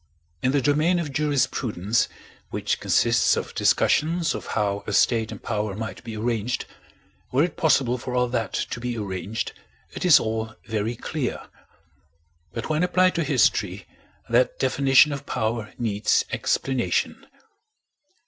In the domain of jurisprudence, which consists of discussions of how a state and power might be arranged were it possible for all that to be arranged, it is all very clear; but when applied to history that definition of power needs explanation.